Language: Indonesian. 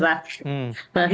bahan bakar yang lebih bersih ya